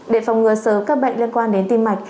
để phòng ngừa sớm các bệnh liên quan đến tim mạch